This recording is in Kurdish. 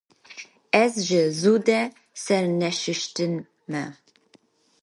Ez ji zû de serneşûştî me.